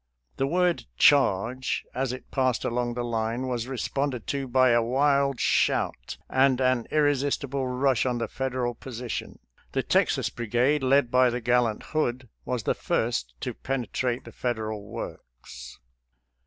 The word ' charge,' as it passed along the line, was responded to by a wild shout and an irresistible rush on the Fed eral position. The Texas Brigade, led by the gallant Hood, was the first to penetrate the Fed eral works."